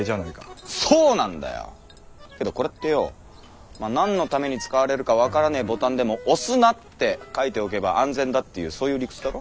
けどこれってよォまあ何のために使われるか分からねーボタンでも「押すな」って書いておけば安全だっていうそういう理屈だろ？